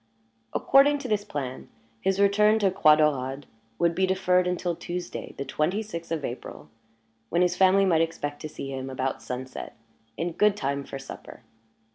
According to this plan, his return to Croix Daurade would be deferred until Tuesday, the twenty sixth of April, when his family might expect to see him about sunset, in good time for supper.